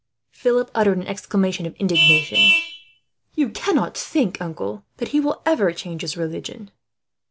Philip uttered an exclamation of indignation. "You cannot think, uncle, that he will ever change his religion?"